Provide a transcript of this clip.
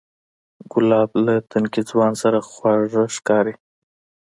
ګلاب له تنکي ځوان سره خواږه ښکاري.